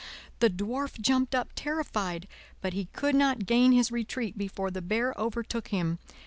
The Dwarf jumped up terrified, but he could not gain his retreat before the Bear overtook him.